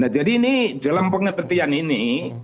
jadi dalam pengertian ini